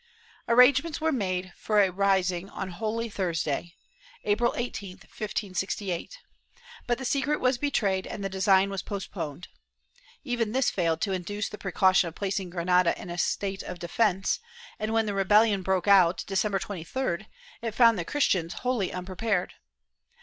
Arrangements were made for a rising on Holy Thursday (April 18, 1568), but the secret was betrayed and the design was post poned. Even this failed to induce the precaution of placing Granada in a state of defence and, when the rebellion broke out, December 23d, it found the Christians wholly unprepared.